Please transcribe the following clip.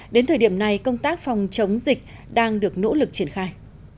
đến thời điểm này công tác phòng chống dịch đang được nỗ lực triển khai